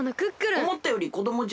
おもったよりこどもじゃのう。